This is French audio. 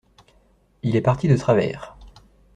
Il est parti de travers.